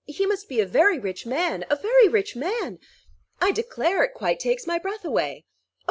He must be a very rich man, a very rich man. I declare, it quite takes my breath away." "Oh!